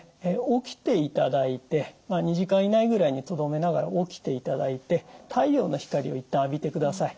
起きていただいて２時間以内ぐらいにとどめながら起きていただいて太陽の光を一旦浴びてください。